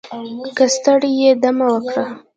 که ستړی یې دمه وکړه